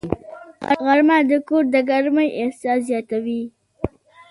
غرمه د کور د ګرمۍ احساس زیاتوي